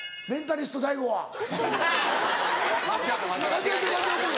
間違ってる間違ってる。